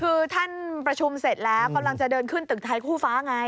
คือท่านประชุมเสร็จแล้วกำลังจะเดินขึ้นตึกไทยคู่ฟ้าไง